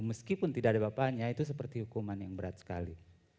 meskipun tidak ada bapaknya itu seperti hukuman yang berat sekali